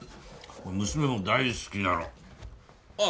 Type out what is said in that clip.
これ娘も大好きなのあ